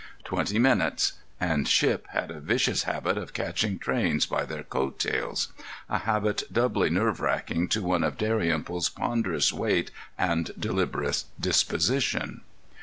Twenty minutes—and Shipp had a vicious habit of catching trains by their coat tails—a habit doubly nerve racking to one of Dalrymple's ponderous weight and deliberate disposition.